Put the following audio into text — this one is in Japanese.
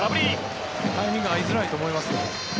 タイミングが合いづらいと思いますよ。